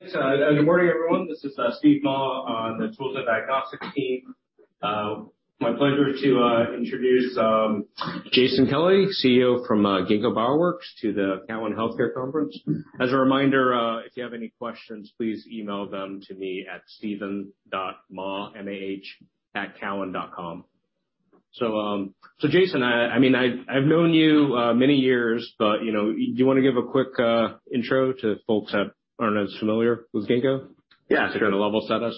Good morning, everyone. This is Steve Mah on the Tools and Diagnostics team. My pleasure to introduce Jason Kelly, CEO from Ginkgo Bioworks, to the Cowen Health Care Conference. As a reminder, if you have any questions, please email them to me at steven.mah, M-A-H, @cowen.com. Jason, I mean, I've known you many years, but, you know, do you wanna give a quick intro to folks that aren't as familiar with Ginkgo? Yeah, sure. To kind of level set us.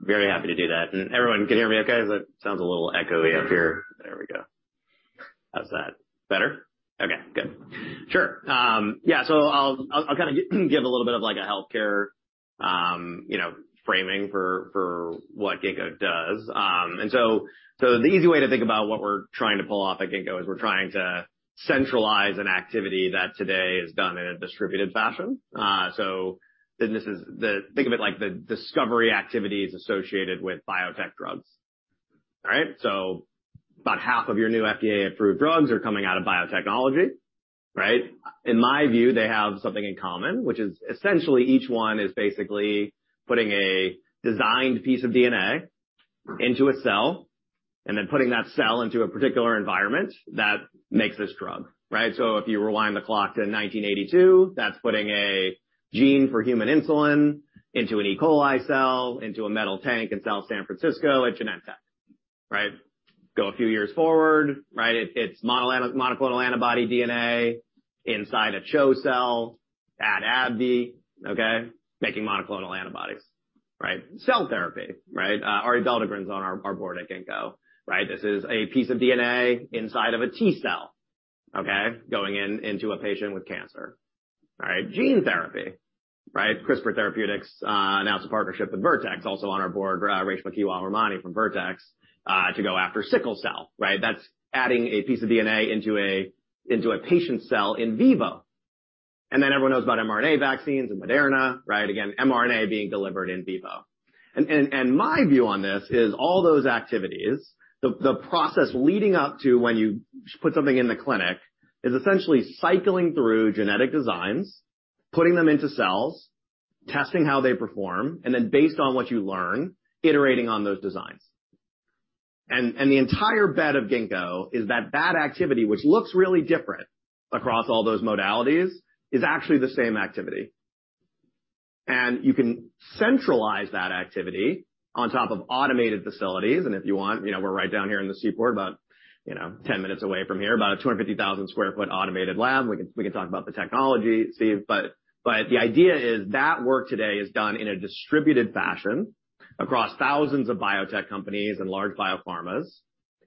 Very happy to do that. Everyone can hear me okay? That sounds a little echoey up here. There we go. How's that? Better? Okay, good. Sure. Yeah, I'll kind of give a little bit of like a healthcare, you know, framing for what Ginkgo does. The easy way to think about what we're trying to pull off at Ginkgo is we're trying to centralize an activity that today is done in a distributed fashion. Think of it like the discovery activities associated with biotech drugs. All right? About half of your new FDA-approved drugs are coming out of biotechnology, right? In my view, they have something in common, which is essentially each one is basically putting a designed piece of DNA into a cell and then putting that cell into a particular environment that makes this drug, right? If you rewind the clock to 1982, that's putting a gene for human insulin into an E. coli cell, into a metal tank in South San Francisco at Genentech, right? Go a few years forward, right? It's monoclonal antibody DNA inside a CHO cell at AbbVie, okay? Making monoclonal antibodies, right? Cell therapy, right? Arie Belldegrun's on our board at Ginkgo, right? This is a piece of DNA inside of a T cell, okay? Going into a patient with cancer. All right? Gene therapy, right? CRISPR Therapeutics announced a partnership with Vertex, also on our board, Reshma Kewalramani from Vertex, to go after sickle cell, right? That's adding a piece of DNA into a patient cell in vivo. Everyone knows about mRNA vaccines and Moderna, right? Again, mRNA being delivered in vivo. My view on this is all those activities, the process leading up to when you put something in the clinic is essentially cycling through genetic designs, putting them into cells, testing how they perform, and then based on what you learn, iterating on those designs. The entire bet of Ginkgo is that that activity, which looks really different across all those modalities, is actually the same activity. You can centralize that activity on top of automated facilities. If you want, you know, we're right down here in the Seaport, about, you know, minutes away from here, about a 250,000 sq ft automated lab. We can talk about the technology, Steve. The idea is that work today is done in a distributed fashion across thousands of biotech companies and large biopharmas,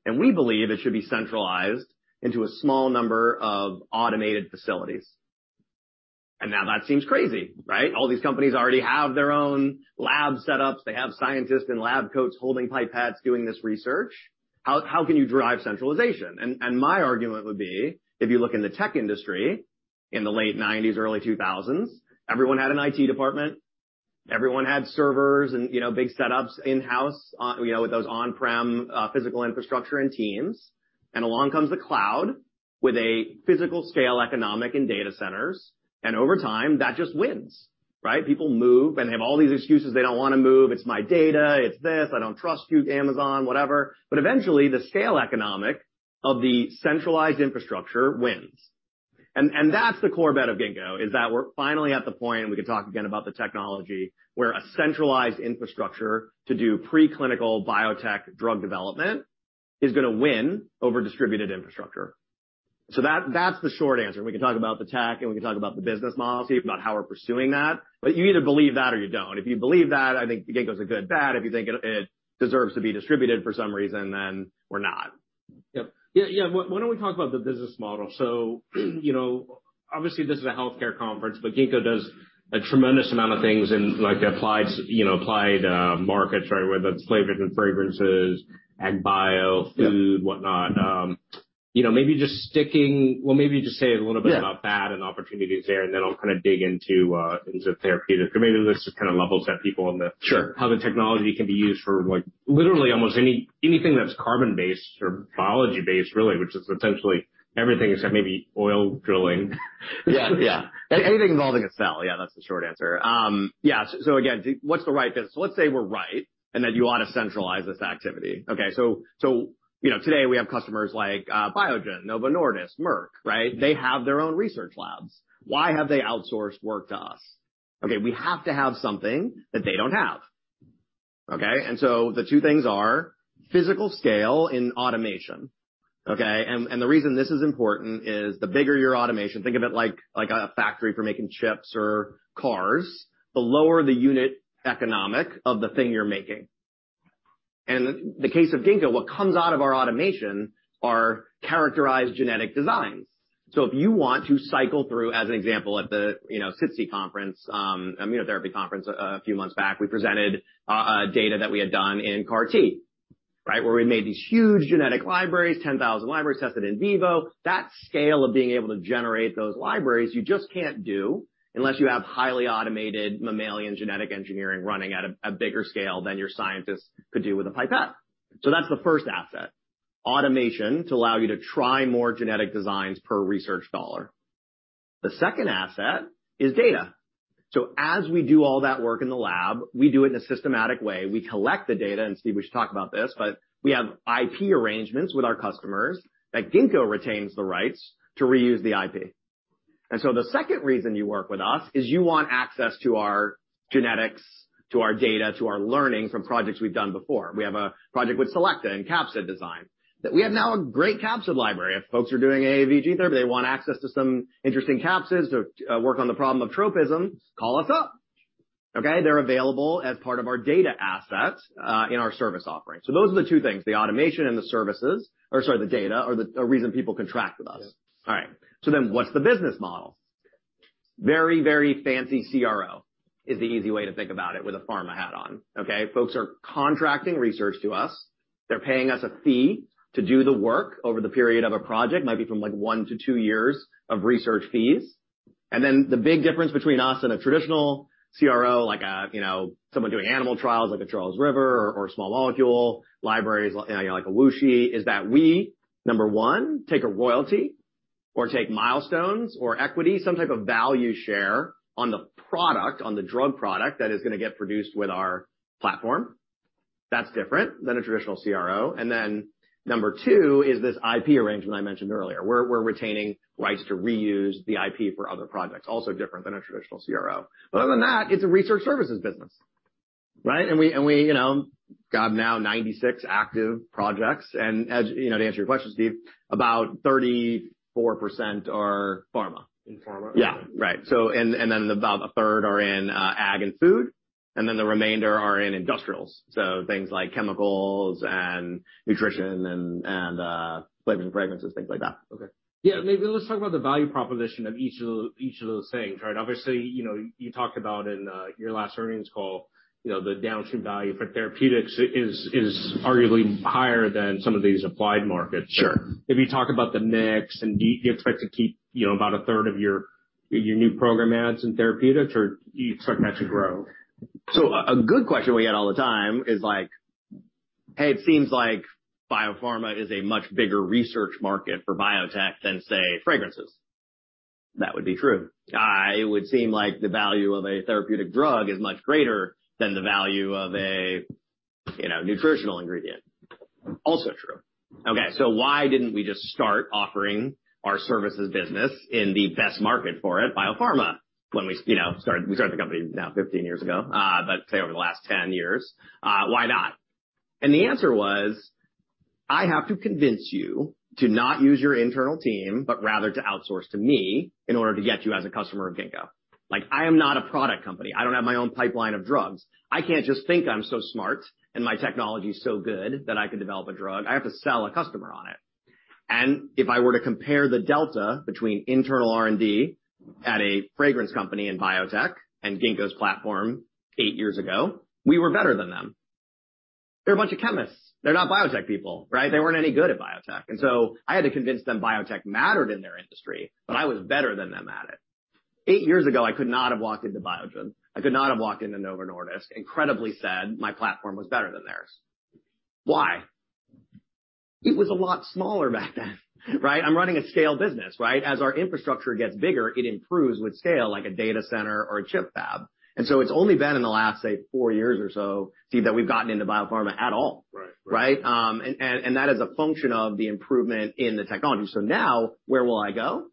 and we believe it should be centralized into a small number of automated facilities. Now that seems crazy, right? All these companies already have their own lab setups. They have scientists in lab coats holding pipettes doing this research. How can you drive centralization? My argument would be, if you look in the tech industry in the late nineties, early two thousands, everyone had an IT department, everyone had servers and, you know, big setups in-house, you know, with those on-prem physical infrastructure and teams. Along comes the cloud with a physical scale economic and data centers. Over time, that just wins, right? People move and they have all these excuses. They don't wanna move. It's my data, it's this. I don't trust you, Amazon, whatever. Eventually the scale economic of the centralized infrastructure wins. That's the core bet of Ginkgo, is that we're finally at the point, and we can talk again about the technology, where a centralized infrastructure to do preclinical biotech drug development is gonna win over distributed infrastructure. That's the short answer. We can talk about the tech, and we can talk about the business model, Steve, about how we're pursuing that. You either believe that or you don't. If you believe that, I think Ginkgo's a good bet. If you think it deserves to be distributed for some reason. We're not. Yep. Yeah, yeah. Why don't we talk about the business model? You know, obviously this is a healthcare conference, but Ginkgo does a tremendous amount of things in like the applied, you know, applied markets, right? Whether it's flavors and fragrances, ag bio- Yeah. Food, whatnot. you know, Well, maybe just say a little bit. Yeah. About that and opportunities there, and then I'll kind of dig into therapeutic. I mean, this just kind of level set people. Sure. How the technology can be used for like, literally almost anything that's carbon based or biology based really, which is essentially everything except maybe oil drilling. Yeah, yeah. Anything involving a cell. Yeah, that's the short answer. Yeah, again, what's the right business? Let's say we're right and that you ought to centralize this activity. Okay. You know, today we have customers like Biogen, Novo Nordisk, Merck, right? They have their own research labs. Why have they outsourced work to us? Okay, we have to have something that they don't have, okay? The two things are physical scale and automation, okay? The reason this is important is the bigger your automation, think of it like a factory for making chips or cars, the lower the unit economic of the thing you're making. The case of Ginkgo, what comes out of our automation are characterized genetic designs. If you want to cycle through, as an example, at the, you know, SITC conference, immunotherapy conference a few months back, we presented data that we had done in CAR T, right. Where we made these huge genetic libraries, 10,000 libraries, tested in vivo. That scale of being able to generate those libraries, you just can't do unless you have highly automated mammalian genetic engineering running at a bigger scale than your scientists could do with a pipette. That's the first asset. Automation to allow you to try more genetic designs per research dollar. The second asset is data. As we do all that work in the lab, we do it in a systematic way. We collect the data, Steve, we should talk about this, but we have IP arrangements with our customers that Ginkgo retains the rights to reuse the IP. The second reason you work with us is you want access to our genetics, to our data, to our learning from projects we've done before. We have a project with Selecta and capsid design, that we have now a great capsid library. If folks are doing AAV therapy, they want access to some interesting capsids or work on the problem of tropism, call us up, okay? They're available as part of our data asset in our service offering. Those are the two things, the automation and the services or, sorry, the data are the reason people contract with us. Yeah. All right. What's the business model? Very, very fancy CRO is the easy way to think about it with a pharma hat on, okay? Folks are contracting research to us. They're paying us a fee to do the work over the period of a project, might be from like one to two years of research fees. The big difference between us and a traditional CRO, like, you know, someone doing animal trials like a Charles River or small molecule libraries, you know, like a WuXi, is that we, number one, take a royalty or take milestones or equity, some type of value share on the product, on the drug product that is gonna get produced with our platform. That's different than a traditional CRO. Number two is this IP arrangement I mentioned earlier. We're retaining rights to reuse the IP for other projects, also different than a traditional CRO. Other than that, it's a research services business, right? And we, you know, got now 96 active projects. As, you know, to answer your question, Steve, about 34% are pharma. In pharma? Okay. Yeah. Right. And then about a third are in ag and food, and then the remainder are in industrials, so things like chemicals and nutrition and flavors and fragrances, things like that. Okay. Yeah, maybe let's talk about the value proposition of each of those things, right? Obviously, you know, you talked about in your last earnings call, you know, the downstream value for therapeutics is arguably higher than some of these applied markets. Sure. If you talk about the mix and do you expect to keep, you know, about a third of your new program adds in therapeutics or do you expect that to grow? A good question we get all the time is like, "Hey, it seems like biopharma is a much bigger research market for biotech than, say, fragrances." That would be true. It would seem like the value of a therapeutic drug is much greater than the value of a, you know, nutritional ingredient. Also true. Okay, why didn't we just start offering our services business in the best market for it, biopharma, when we, you know, started the company now 15 years ago, but say over the last 10 years, why not? The answer was, I have to convince you to not use your internal team, but rather to outsource to me in order to get you as a customer of Ginkgo. Like, I am not a product company. I don't have my own pipeline of drugs. I can't just think I'm so smart and my technology is so good that I could develop a drug. I have to sell a customer on it. If I were to compare the delta between internal R&D at a fragrance company in biotech and Ginkgo's platform eight years ago, we were better than them. They're a bunch of chemists. They're not biotech people, right? They weren't any good at biotech. I had to convince them biotech mattered in their industry, but I was better than them at it. Eight years ago, I could not have walked into Biogen. I could not have walked into Novo Nordisk and incredibly said my platform was better than theirs. Why? It was a lot smaller back then, right? I'm running a scale business, right? As our infrastructure gets bigger, it improves with scale, like a data center or a chip fab. It's only been in the last, say, four years or so, Steve, that we've gotten into biopharma at all. Right. Right. Right? And that is a function of the improvement in the technology. Now where will I go?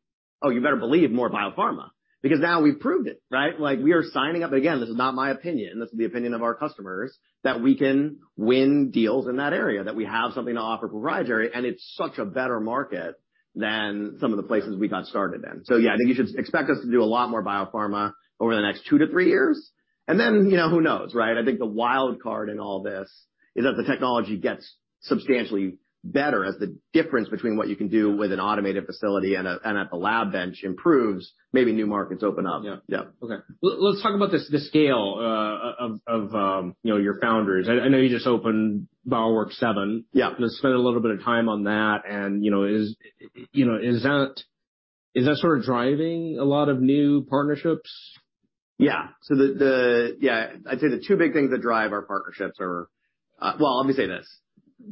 Oh, you better believe more biopharma, because now we've proved it, right? Like, we are signing up. Again, this is not my opinion, this is the opinion of our customers, that we can win deals in that area, that we have something to offer proprietary, and it's such a better market than some of the places we got started in. Yeah, I think you should expect us to do a lot more biopharma over the next 2-3 years. Then, you know, who knows, right? I think the wild card in all this is that the technology gets substantially better. As the difference between what you can do with an automated facility and at the lab bench improves, maybe new markets open up. Yeah. Yeah. Okay. Let's talk about the scale, of you know, your foundries. I know you just opened Bioworks7. Yeah. Let's spend a little bit of time on that and, you know, is, you know, is that sort of driving a lot of new partnerships? Yeah, I'd say the two big things that drive our partnerships are, well, let me say this.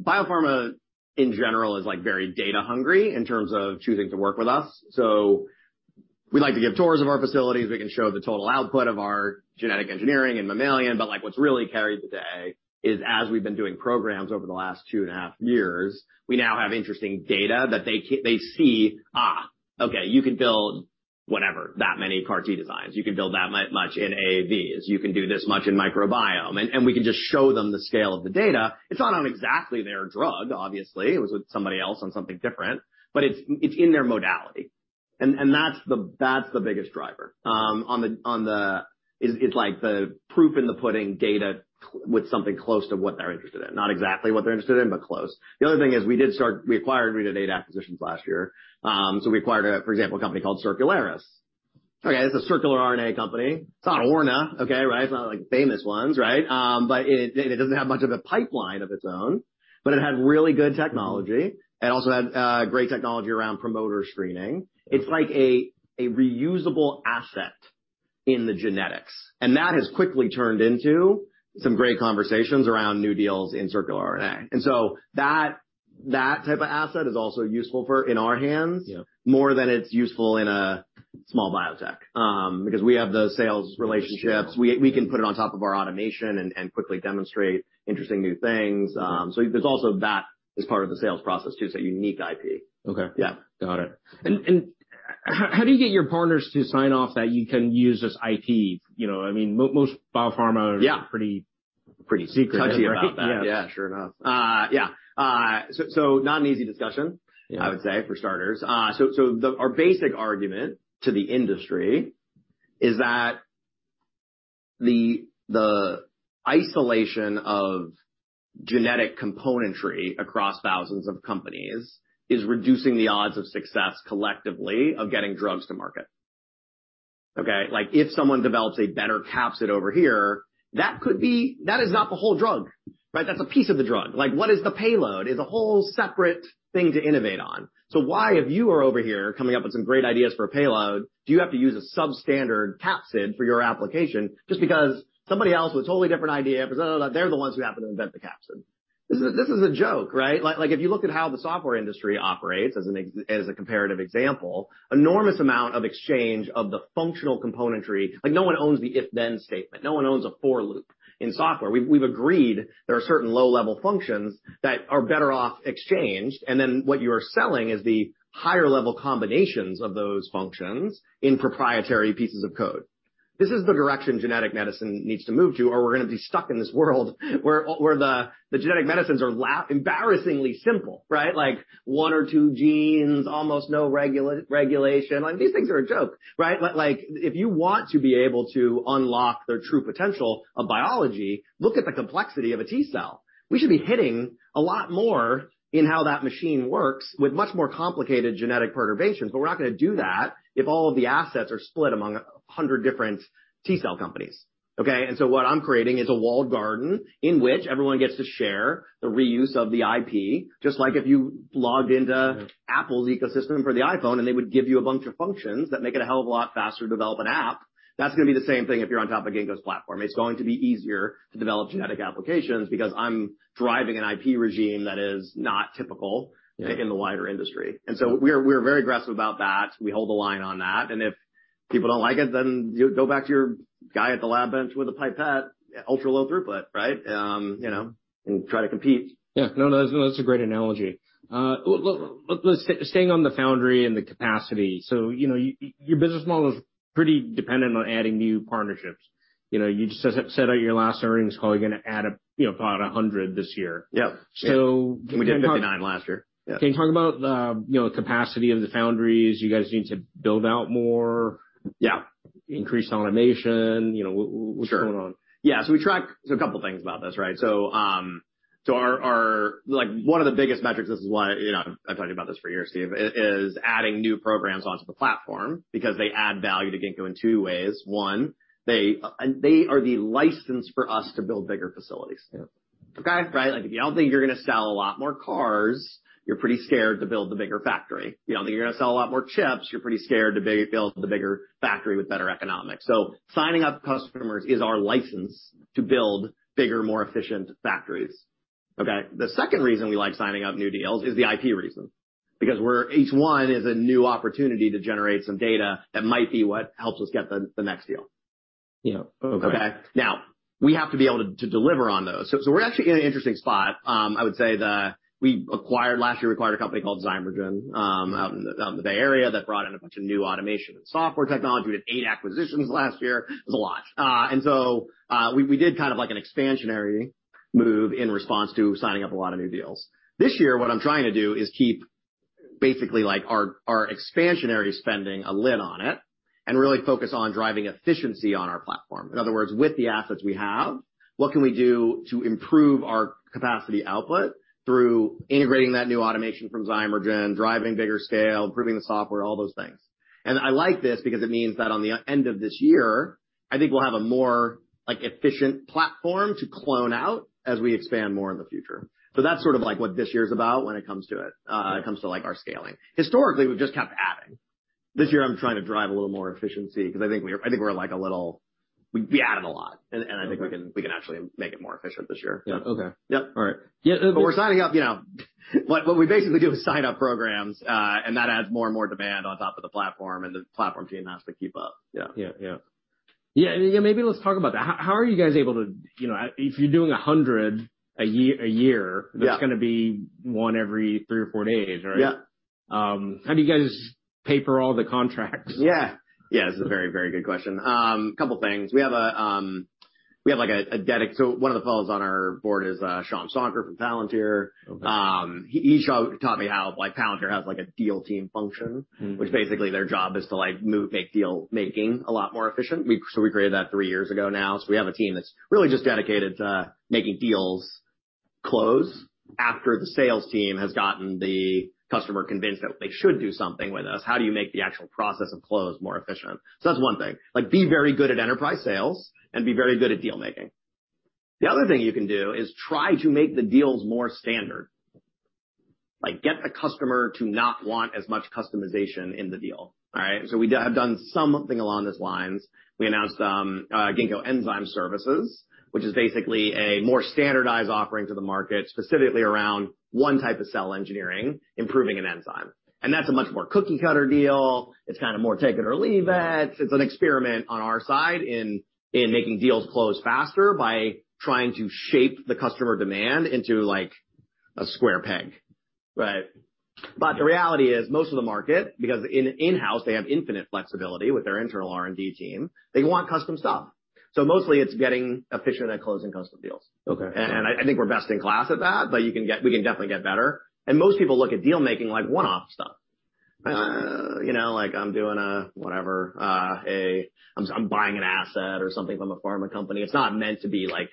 Biopharma in general is, like, very data hungry in terms of choosing to work with us. We like to give tours of our facilities. We can show the total output of our genetic engineering in mammalian, but, like, what's really carried the day is, as we've been doing programs over the last two and a half years, we now have interesting data that they see, "Okay, you can build, whatever, that many CAR T designs. You can build that much in AAVs. You can do this much in microbiome." We can just show them the scale of the data. It's not on exactly their drug, obviously. It was with somebody else on something different, but it's in their modality. That's the biggest driver. is like the proof in the pudding data with something close to what they're interested in. Not exactly what they're interested in, but close. The other thing is we did eight acquisitions last year. We acquired a, for example, a company called Circularis. Okay, it's a circular RNA company. It's not Orna, okay, right? It's not like the famous ones, right? It doesn't have much of a pipeline of its own, but it had really good technology. It also had great technology around promoter screening. It's like a reusable asset in the genetics. That has quickly turned into some great conversations around new deals in circular RNA. That type of asset is also useful for in our hands. Yeah. more than it's useful in a small biotech, because we have the sales relationships. We can put it on top of our automation and quickly demonstrate interesting new things. There's also that as part of the sales process too, it's a unique IP. Okay. Yeah. Got it. How do you get your partners to sign off that you can use this IP? You know, I mean, most biopharma- Yeah. -are pretty secretive about that. Touchy about that. Yeah, sure enough. Yeah. Not an easy discussion. Yeah. I would say, for starters. Our basic argument to the industry is that the isolation of genetic componentry across thousands of companies is reducing the odds of success collectively of getting drugs to market. Okay? Like, if someone develops a better capsid over here, that is not the whole drug, right? That's a piece of the drug. Like, what is the payload is a whole separate thing to innovate on. Why, if you are over here coming up with some great ideas for a payload, do you have to use a substandard capsid for your application just because somebody else with a totally different idea, they're the ones who happen to invent the capsid. This is a joke, right? Like, if you look at how the software industry operates as a comparative example, enormous amount of exchange of the functional componentry. Like, no one owns the if then statement. No one owns a for loop in software. We've agreed there are certain low-level functions that are better off exchanged, and then what you are selling is the higher level combinations of those functions in proprietary pieces of code. This is the direction genetic medicine needs to move to, or we're going to be stuck in this world where the genetic medicines are embarrassingly simple, right? Like one or two genes, almost no regulation. Like, these things are a joke, right? Like, if you want to be able to unlock the true potential of biology, look at the complexity of a T cell. We should be hitting a lot more in how that machine works with much more complicated genetic perturbations. We're not going to do that if all of the assets are split among 100 different T cell companies. Okay? What I'm creating is a walled garden in which everyone gets to share the reuse of the IP. Just like if you logged into Apple's ecosystem for the iPhone, and they would give you a bunch of functions that make it a hell of a lot faster to develop an app. That's going to be the same thing if you're on top of Ginkgo's platform. It's going to be easier to develop genetic applications because I'm driving an IP regime that is not typical. Yeah. -in the wider industry. We're very aggressive about that. We hold the line on that. If people don't like it, then go back to your guy at the lab bench with a pipette, ultra-low throughput, right? you know, and try to compete. Yeah. No, no, that's a great analogy. Staying on the foundry and the capacity. You know, your business model is pretty dependent on adding new partnerships. You know, you just said at your last earnings call you're going to add, you know, about 100 this year. Yep. So- We did 59 last year. Yeah. Can you talk about the, you know, capacity of the foundries? You guys need to build out more? Yeah. Increase automation, you know. Sure. What's going on? Yeah. We track a couple things about this, right? Like one of the biggest metrics, this is why, you know, I've talked about this for years, Steve, is adding new programs onto the platform because they add value to Ginkgo in two ways. One, they are the license for us to build bigger facilities. Yeah. Okay? Right. If you don't think you're going to sell a lot more cars, you're pretty scared to build the bigger factory. If you don't think you're going to sell a lot more chips, you're pretty scared to build the bigger factory with better economics. Signing up customers is our license to build bigger, more efficient factories. Okay? The second reason we like signing up new deals is the IP reason, because each one is a new opportunity to generate some data that might be what helps us get the next deal. Yeah. Okay. Okay? Now, we have to be able to deliver on those. We're actually in an interesting spot. I would say, we acquired last year a company called Zymergen out in the Bay Area that brought in a bunch of new automation and software technology. We did eight acquisitions last year. It was a lot. We did kind of like an expansionary move in response to signing up a lot of new deals. This year, what I'm trying to do is keep basically, like, our expansionary spending a lid on it and really focus on driving efficiency on our platform. In other words, with the assets we have, what can we do to improve our capacity output through integrating that new automation from Zymergen, driving bigger scale, improving the software, all those things. I like this because it means that on the end of this year, I think we'll have a more, like, efficient platform to clone out as we expand more in the future. That's sort of like what this year is about when it comes to it comes to, like, our scaling. Historically, we've just kept adding. This year I'm trying to drive a little more efficiency because I think we're, like, a little... We added a lot, and I think we can actually make it more efficient this year. Okay. Yep. All right. We're signing up, you know. What we basically do is sign up programs, and that adds more and more demand on top of the platform, and the platform team has to keep up. Yeah. Yeah. Yeah. Yeah. Maybe let's talk about that. How are you guys able to. You know, if you're doing 100 a year. Yeah. that's gonna be one every three or four days, right? Yeah. How do you guys pay for all the contracts? Yeah. Yeah. This is a very, very good question. couple of things. One of the fellows on our board is Shyam Sankar from Palantir. he taught me how, like, Palantir has, like, a deal team function. Mm-hmm. Which basically their job is to, like, move make deal making a lot more efficient. We created that three years ago now. We have a team that's really just dedicated to making deals close after the sales team has gotten the customer convinced that they should do something with us. How do you make the actual process of close more efficient? That's one thing. Like, be very good at enterprise sales and be very good at deal making. The other thing you can do is try to make the deals more standard. Like get a customer to not want as much customization in the deal. All right? We have done something along those lines. We announced Ginkgo Enzyme Services, which is basically a more standardized offering to the market, specifically around one type of cell engineering, improving an enzyme. That's a much more cookie cutter deal. It's kinda more take it or leave it. It's an experiment on our side in making deals close faster by trying to shape the customer demand into, like, a square peg. Right? The reality is, most of the market, because in-house, they have infinite flexibility with their internal R&D team, they want custom stuff. Mostly it's getting efficient at closing custom deals. Okay. I think we're best in class at that, but we can definitely get better. Most people look at deal-making like one-off stuff. You know, like I'm doing a whatever, I'm buying an asset or something from a pharma company. It's not meant to be like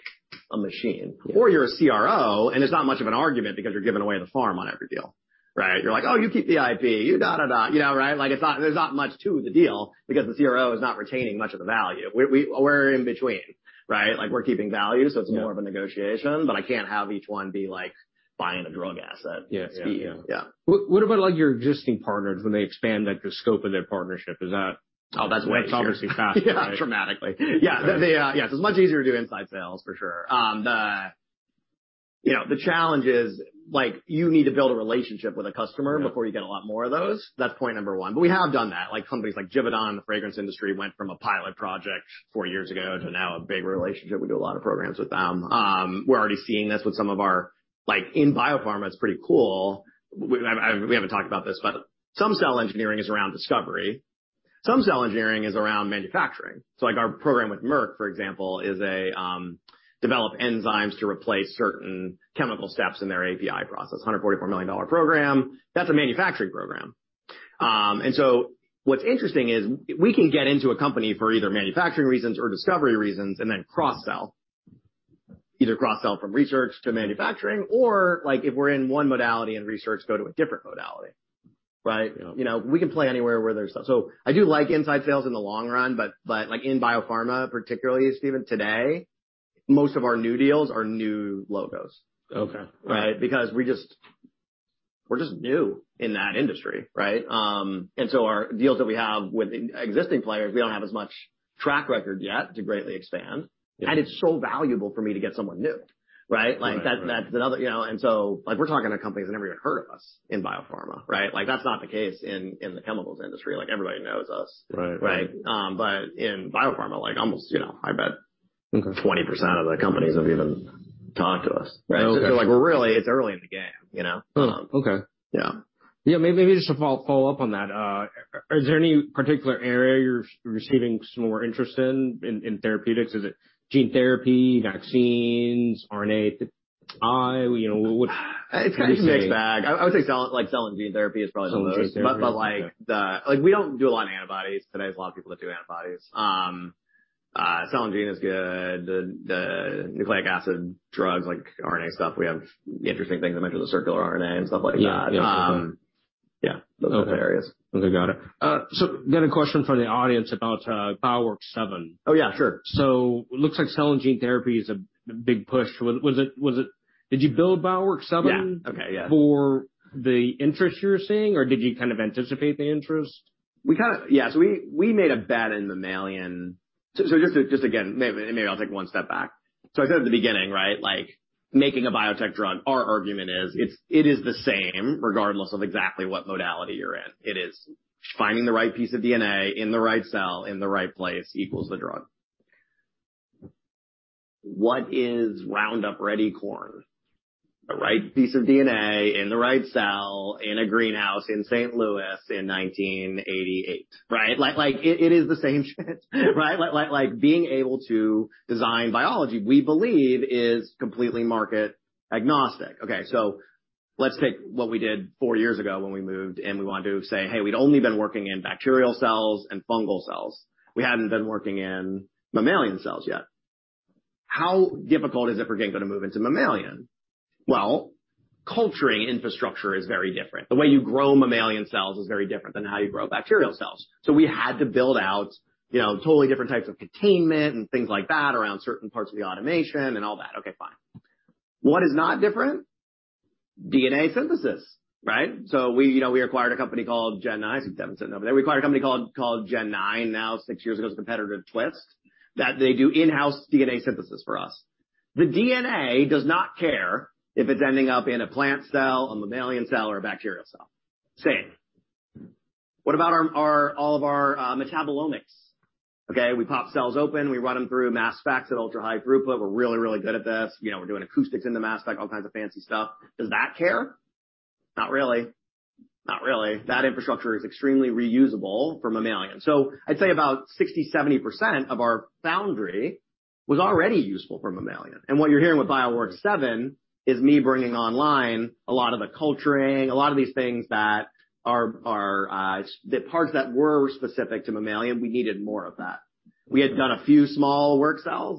a machine. You're a CRO, and it's not much of an argument because you're giving away the farm on every deal, right? You're like, "Oh, you keep the IP, you da, da." You know, right? Like, there's not much to the deal because the CRO is not retaining much of the value. We're in between, right? Like, we're keeping value, so it's more of a negotiation, but I can't have each one be like, buying a drug asset. Yeah. Yeah. Yeah. What about, like, your existing partners when they expand, like, the scope of their partnership? Oh, that's way easier. It's obviously faster, right? Yeah. Dramatically. Yeah. The, yes. It's much easier to do inside sales, for sure. The, you know, the challenge is, like, you need to build a relationship with a customer before you get a lot more of those. That's point number one. We have done that, like companies like Givaudan in the fragrance industry went from a pilot project four years ago to now a big relationship. We do a lot of programs with them. We're already seeing this with some of our... Like in biopharma, it's pretty cool. We, we haven't talked about this, but some cell engineering is around discovery, some cell engineering is around manufacturing. Like, our program with Merck, for example, is a develop enzymes to replace certain chemical steps in their API process. $144 million program. That's a manufacturing program. What's interesting is we can get into a company for either manufacturing reasons or discovery reasons and then cross-sell. Either cross-sell from research to manufacturing or, like, if we're in one modality in research, go to a different modality, right? Yeah. You know, we can play anywhere where there's stuff. I do like inside sales in the long run, but, like, in biopharma particularly, Steven, today, most of our new deals are new logos. Okay. Right? Because we're just new in that industry, right? Our deals that we have with existing players, we don't have as much track record yet to greatly expand. Yeah. It's so valuable for me to get someone new, right? Right. Right. Like, that's another, you know. Like, we're talking to companies that never even heard of us in biopharma, right? Like, that's not the case in the chemicals industry. Like, everybody knows us. Right. Right? In biopharma, like almost, you know, I bet 20% of the companies have even talked to us. They're like, "Well, really?" It's early in the game, you know? Okay. Yeah. Yeah. maybe just to follow up on that, is there any particular area you're receiving some more interest in therapeutics? Is it gene therapy, vaccines, RNAi? You know, what? It's kind of a mixed bag. I would say like, cell and gene therapy is probably the most. Cell and gene therapy. Okay. Like, we don't do a lot in antibodies. Today, there's a lot of people that do antibodies. Cell and gene is good. The nucleic acid drugs, like RNA stuff, we have interesting things. I mentioned the circular RNA and stuff like that. Yeah. Yeah. Yeah. Okay. Those types of areas. Okay, got it. Got a question from the audience about Bioworks7. Oh, yeah, sure. looks like cell and gene therapy is a big push. Did you build Bioworks7? Yeah. Okay. Yeah. for the interest you were seeing, or did you kind of anticipate the interest? We kinda... Yeah, so we made a bet in the mammalian... So just to again, maybe I'll take one step back. I said at the beginning, right, like making a biotech drug, our argument is it is the same regardless of exactly what modality you're in. It is finding the right piece of DNA in the right cell in the right place equals the drug. What is Roundup Ready Corn? The right piece of DNA in the right cell in a greenhouse in St. Louis in 1988, right? Like, it is the same, right? Like being able to design biology, we believe, is completely market agnostic. Okay, let's take what we did four years ago when we moved and we wanted to say, "Hey, we'd only been working in bacterial cells and fungal cells. We hadn't been working in mammalian cells yet." How difficult is it for Ginkgo to move into mammalian? Culturing infrastructure is very different. The way you grow mammalian cells is very different than how you grow bacterial cells. We had to build out, you know, totally different types of containment and things like that around certain parts of the automation and all that. Okay, fine. What is not different? DNA synthesis, right? We, you know, we acquired a company called Gen9. I think Devin said no, but we acquired a company called Gen9 now six years ago as a competitive twist, that they do in-house DNA synthesis for us. The DNA does not care if it's ending up in a plant cell, a mammalian cell, or a bacterial cell. Same. What about our, all of our metabolomics? Okay, we pop cells open, we run them through mass specs at ultra-high throughput. We're really good at this. You know, we're doing acoustics in the mass spec, all kinds of fancy stuff. Does that care? Not really. That infrastructure is extremely reusable for mammalian. I'd say about 60%-70% of our foundry was already useful for mammalian. What you're hearing with Bioworks7 is me bringing online a lot of the culturing, a lot of these things that are the parts that were specific to mammalian, we needed more of that. We had done a few small work cells,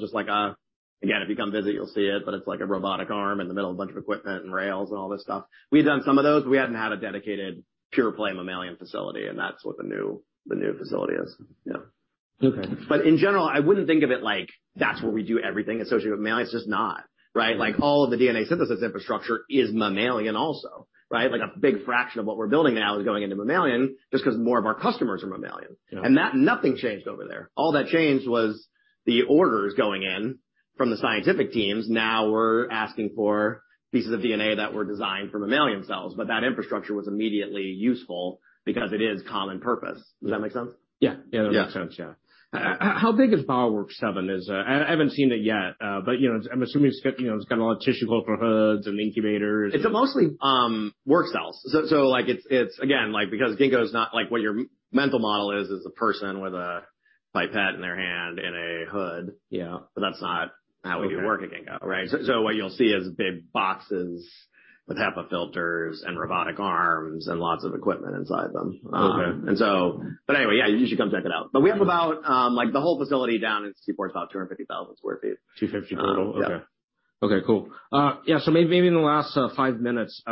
just like, again, if you come visit, you'll see it, but it's like a robotic arm in the middle of a bunch of equipment and rails and all this stuff. We had done some of those, but we hadn't had a dedicated pure play mammalian facility. That's what the new facility is. Yeah. Okay. In general, I wouldn't think of it like that's where we do everything associated with mammalian, it's just not, right? All of the DNA synthesis infrastructure is mammalian also, right? A big fraction of what we're building now is going into mammalian just 'cause more of our customers are mammalian. Yeah. That nothing changed over there. All that changed was the orders going in from the scientific teams now were asking for pieces of DNA that were designed for mammalian cells, but that infrastructure was immediately useful because it is common purpose. Does that make sense? Yeah. Yeah, that makes sense. Yeah. Yeah. How big is Bioworks7? I haven't seen it yet, but, you know, I'm assuming it's got, you know, it's got a lot of tissue culture hoods and incubators. It's mostly, work cells. Like, it's again, like, because Ginkgo is not like what your mental model is a person with a pipette in their hand in a hood. Yeah. That's not how we work at Ginkgo, right? Okay. What you'll see is big boxes with HEPA filters and robotic arms and lots of equipment inside them. Okay. Anyway, yeah, you should come check it out. We have about, like, the whole facility down in South San Francisco is about 250,000 sq ft. $250 total. Yeah. Okay. Okay, cool. Yeah. Maybe in the last, five minutes,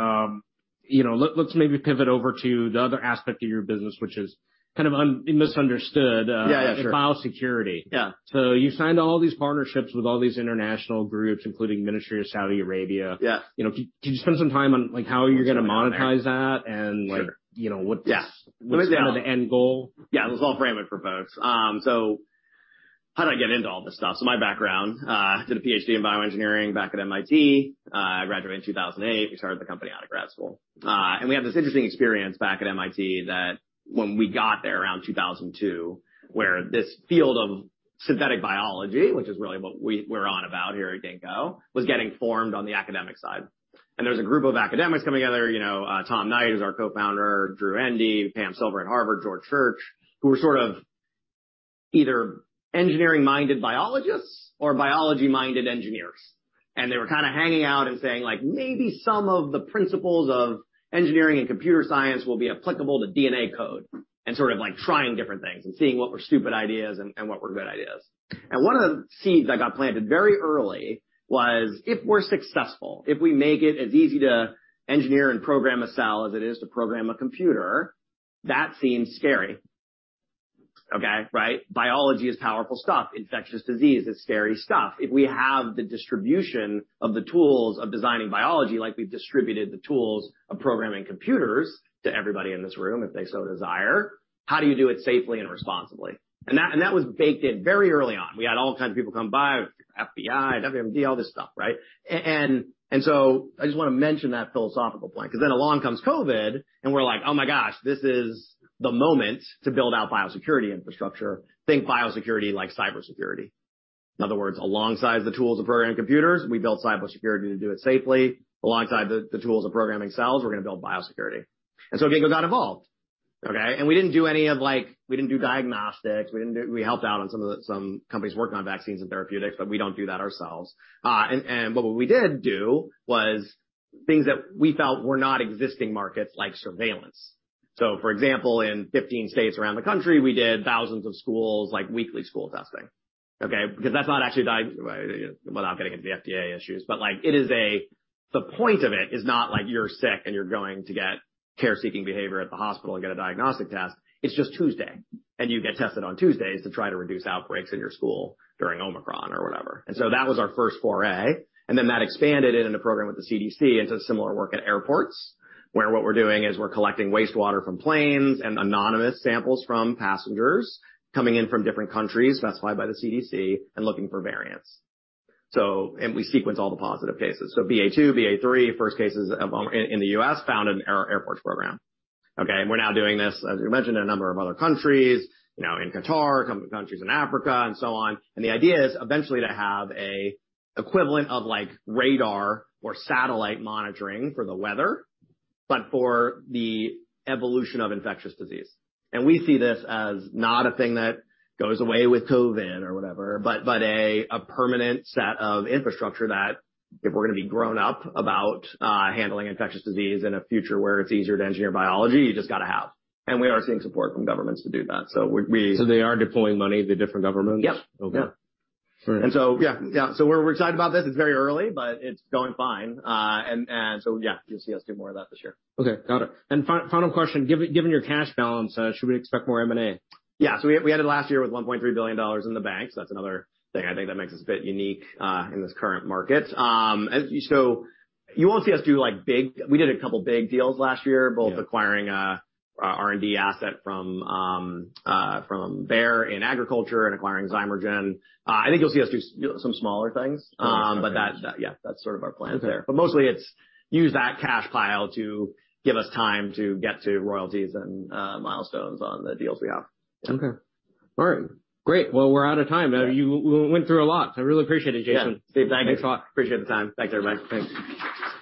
you know, let's maybe pivot over to the other aspect of your business, which is kind of misunderstood. Yeah, yeah, sure. Biosecurity. Yeah. You signed all these partnerships with all these international groups, including Ministry of Saudi Arabia. Yeah. You know, could you spend some time on, like, how you're gonna monetize that? Sure. And, like, you know, what's- Yeah. What's kind of the end goal? Yeah. Let's all frame it for folks. How did I get into all this stuff? My background, did a PhD in bioengineering back at MIT. I graduated in 2008. We started the company out of grad school. We had this interesting experience back at MIT that when we got there around 2002, where this field of synthetic biology, which is really what we're on about here at Ginkgo, was getting formed on the academic side. There was a group of academics coming together. You know, Tom Knight, who's our co-founder, Drew Endy, Pamela Silver at Harvard, George Church, who were sort of either engineering-minded biologists or biology-minded engineers. They were kinda hanging out and saying, like, "Maybe some of the principles of engineering and computer science will be applicable to DNA code," and sort of like trying different things and seeing what were stupid ideas and what were good ideas. One of the seeds that got planted very early was, if we're successful, if we make it as easy to engineer and program a cell as it is to program a computer, that seems scary. Okay? Right? biology is powerful stuff. infectious disease is scary stuff. If we have the distribution of the tools of designing biology like we've distributed the tools of programming computers to everybody in this room, if they so desire, how do you do it safely and responsibly? That was baked in very early on. We had all kinds of people come by, FBI, WMD, all this stuff, right? I just wanna mention that philosophical point, 'cause then along comes COVID and we're like, "Oh my gosh, this is the moment to build out biosecurity infrastructure." Think biosecurity like cybersecurity. In other words, alongside the tools of programming computers, we built cybersecurity to do it safely. Alongside the tools of programming cells, we're gonna build biosecurity. Ginkgo got involved, okay? We didn't do any of. We didn't do diagnostics. We didn't do. We helped out on some companies working on vaccines and therapeutics, but we don't do that ourselves. But what we did do was things that we felt were not existing markets, like surveillance. For example, in 15 states around the country, we did thousands of schools, like weekly school testing, okay. That's not actually without getting into the FDA issues, but, like, it is a. The point of it is not like you're sick and you're going to get care-seeking behavior at the hospital and get a diagnostic test. It's just Tuesday, and you get tested on Tuesdays to try to reduce outbreaks in your school during Omicron or whatever. That was our first foray, and then that expanded into a program with the CDC and to similar work at airports, where what we're doing is we're collecting wastewater from planes and anonymous samples from passengers coming in from different countries specified by the CDC and looking for variants. We sequence all the positive cases. BA.2, BA.3, first cases of Omicron in the U.S. found in our airports program, okay? We're now doing this, as we mentioned, in a number of other countries, you know, in Qatar, couple countries in Africa and so on. The idea is eventually to have a equivalent of like radar or satellite monitoring for the weather, but a permanent set of infrastructure that if we're gonna be grown up about handling infectious disease in a future where it's easier to engineer biology, you just gotta have. We are seeing support from governments to do that. We- They are deploying money, the different governments? Yeah. Okay. All right. Yeah. We're excited about this. It's very early, but it's going fine. Yeah, you'll see us do more of that this year. Okay. Got it. Final question? Given your cash balance, should we expect more M&A? We ended last year with $1.3 billion in the bank. That's another thing I think that makes us a bit unique in this current market. We did a couple big deals last year. Yeah. both acquiring, a R&D asset from Bayer in agriculture and acquiring Zymergen. I think you'll see us do some smaller things. Okay. That, yeah, that's sort of our plan there. Okay. mostly it's use that cash pile to give us time to get to royalties and milestones on the deals we have. Okay. All right. Great. Well, we're out of time. Yeah. We went through a lot. I really appreciate it, Jason. Yeah. Steve, thank you. Thanks a lot. Appreciate the time. Thanks, everybody. Thanks.